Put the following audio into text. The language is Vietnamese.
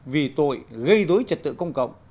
vì tội gây dối trật tự công cộng